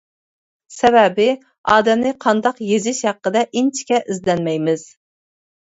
سەۋەبى، ئادەمنى قانداق يېزىش ھەققىدە ئىنچىكە ئىزدەنمەيمىز.